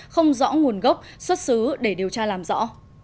không rõ nguồn gốc xuất xứ để điều tra làm rõ